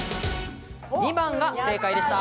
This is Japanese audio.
２番が正解でした。